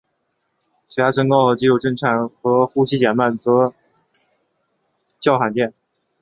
血压升高和肌肉震颤和呼吸减慢则较罕见。